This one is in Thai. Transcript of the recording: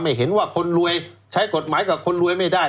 เห็นว่าคนรวยใช้กฎหมายกับคนรวยไม่ได้